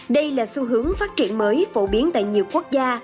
đây là xu hướng phát triển mới phổ biến tại nhiều quốc gia